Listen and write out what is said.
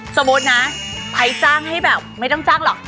สมมุตินะไอ้จ้างให้แบบไม่ต้องจ้างหรอก